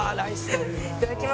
いただきます！